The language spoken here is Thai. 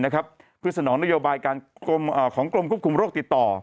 เพื่อสนองนโยบายของกรมควบคุมโรคติดต่อ